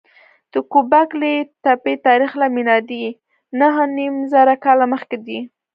د ګوبک لي تپې تاریخ له میلاده نههنیمزره کاله مخکې دی.